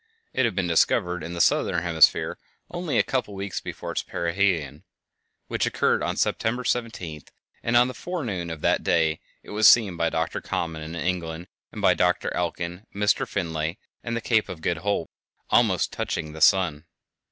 It had been discovered in the southern hemisphere only a couple of weeks before its perihelion, which occurred on September 17th, and on the forenoon of that day it was seen by Doctor Common in England, and by Doctor Elkin and Mr Finlay at the Cape of Good Hope, almost touching the sun.